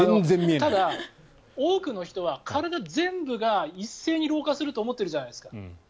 ただ、多くの人は体全部が一斉に老化すると思っているじゃないですか。